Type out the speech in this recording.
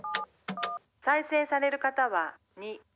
再生される方は２。